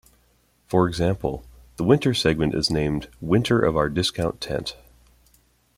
For example, the winter segment is named "Winter of Our Discount Tent".